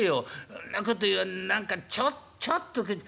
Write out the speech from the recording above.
「そんなこと言わ何かちょっちょっと口」。